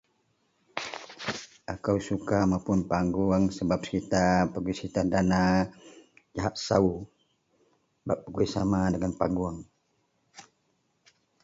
Ako suka mapun panggung sebab cerita bak pegui cerita dana sama gahak sou bak pegui sama dagen panggung